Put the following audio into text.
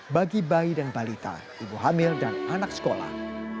bagi bayi dan balita ibu hamil dan anak sekolah